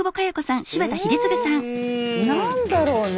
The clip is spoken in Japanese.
え何だろうね。